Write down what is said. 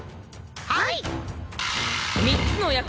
はい！